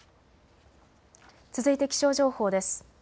続いて気象情報です。